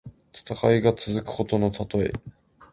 戦いが続くことのたとえ。